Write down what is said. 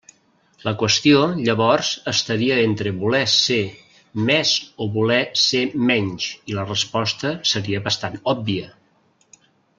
La qüestió llavors estaria entre voler ser més o voler ser menys, i la resposta seria bastant òbvia.